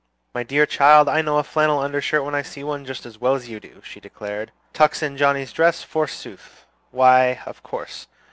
"My dear child, I know a flannel undershirt when I see one, just as well as you do," she declared. "Tucks in Johnnie's dress, forsooth! why, of course.